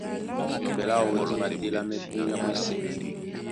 Jɔmbɛ láō dí matélámɛ́ búnyá ɓwɛ́sɛ̄.